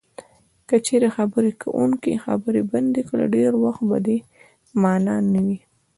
که چېرې خبرې کوونکی خبرې بندې کړي ډېری وخت په دې مانا نه وي.